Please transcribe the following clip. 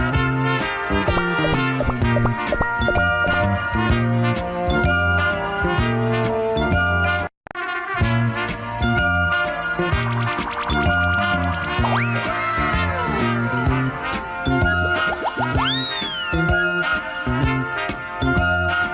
สวัสดีครับสวัสดีค่ะ